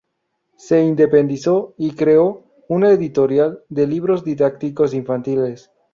Se independizó y creó una editorial de libros didácticos infantiles.